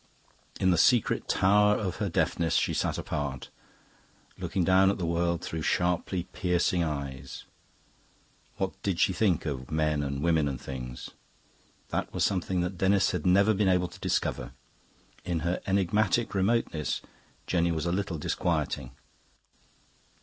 In the secret tower of her deafness she sat apart, looking down at the world through sharply piercing eyes. What did she think of men and women and things? That was something that Denis had never been able to discover. In her enigmatic remoteness Jenny was a little disquieting.